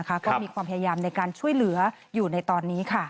ก็มีความพยายามในการช่วยเหลืออยู่ในตอนนี้